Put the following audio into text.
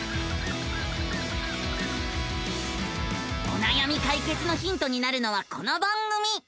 おなやみ解決のヒントになるのはこの番組。